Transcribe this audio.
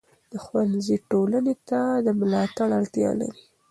د ښوونځي ټولنې ته د ملاتړ اړتیا لري.